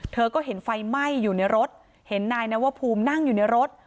เธอก็เห็นไฟไหม้อยู่ในรถเห็นนายนวภูมินั่งอยู่ในรถ